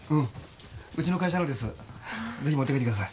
うちの会社のです。